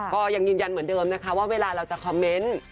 ก็ยังยืนยันเหมือนเดิมนะคะว่าเวลาเราจะคอมเมนต์